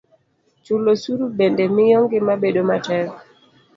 Chulo osuru bende miyo ngima bedo matek